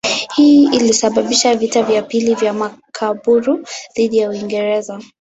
Hii ilisababisha vita vya pili vya Makaburu dhidi ya Uingereza.